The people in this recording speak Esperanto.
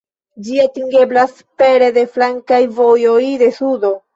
Ĝi atingeblas pere de flankaj vojoj de sudo.